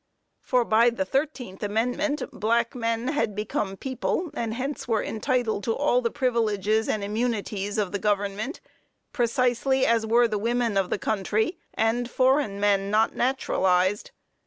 For, by the thirteenth amendment, black men had become people, and hence were entitled to all the privileges and immunities of the government, precisely as were the women of the country, and foreign men not naturalized.